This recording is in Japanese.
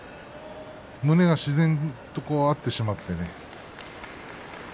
胸が自然と合ってしまってね。